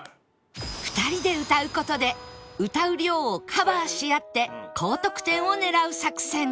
２人で歌う事で歌う量をカバーし合って高得点を狙う作戦